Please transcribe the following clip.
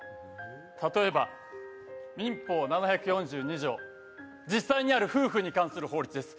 たとえば民法７４２条実際にある夫婦に関する法律です